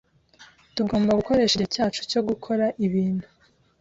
Tugomba gukoresha igihe cyacu cyo gukora ibintu